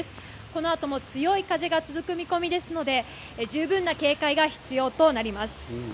この後も強い風が続く見込みですので十分な警戒が必要となります。